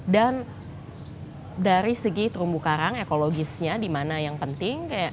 dan dari segi terumbu karang ekologisnya di mana yang penting